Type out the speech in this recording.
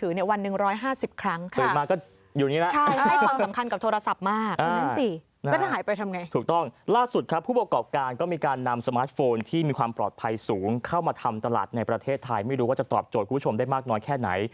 ถูกต้องเหมือนที่เราทำแท็บเล็ตโน้ตบุ๊กหายไป